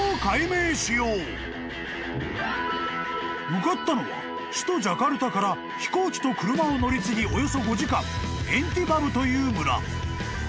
［向かったのは首都ジャカルタから飛行機と車を乗り継ぎおよそ５時間エンティバブという村］